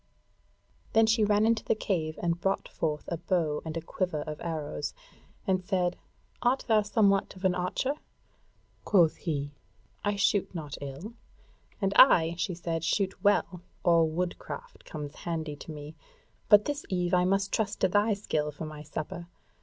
Then she ran into the cave and brought forth a bow and a quiver of arrows, and said: "Art thou somewhat of an archer?" Quoth he: "I shoot not ill." "And I," she said, "shoot well, all woodcraft comes handy to me. But this eve I must trust to thy skill for my supper.